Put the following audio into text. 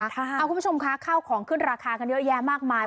คุณผู้ชมคะข้าวของขึ้นราคากันเยอะแยะมากมาย